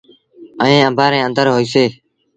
ائيٚݩٚ اڀآنٚ ري اندر هوئيٚسي۔